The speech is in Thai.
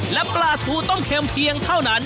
และปลาทูต้องเค็มเพียงเท่านั้น